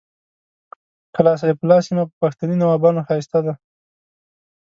کلا سیف الله سیمه په پښتني نوابانو ښایسته ده